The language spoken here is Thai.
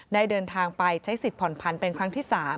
เดินทางไปใช้สิทธิผ่อนพันธ์เป็นครั้งที่๓